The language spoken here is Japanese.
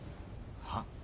はっ？